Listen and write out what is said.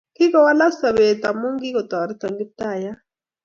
Kikowalak sobet amun kitoreto Kiptaiyat.